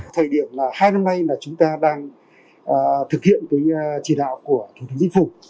thời điểm hai năm nay chúng ta đang thực hiện trì đạo của thủ tướng chính phủ